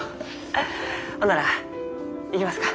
ほんなら行きますか。